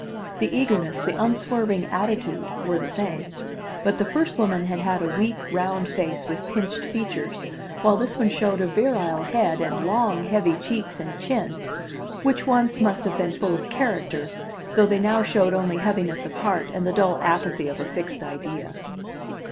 The eagerness, the unswerving attitude were the same, but the first woman had had a weak round face with pinched features, while this one showed a virile head and long heavy cheeks and chin, which once must have been full of character, though they now showed only heaviness of heart and the dull apathy of a fixed idea.